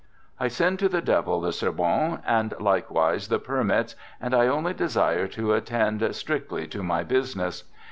" I send to the devil the Sorbonne and like wise the permits, and I only desire to attend strictly to my business.